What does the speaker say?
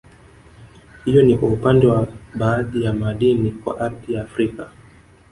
Hiyo ni kwa upande wa baadhi ya madini kwa ardhi ya Afrika